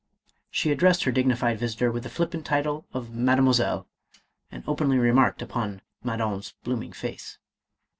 She addressed her dignified visitor with the flippant title of Mademoiselle, and openly remarked upon Manon's blooming face.